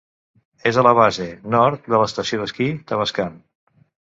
És a la base, nord, de l'Estació d'esquí Tavascan.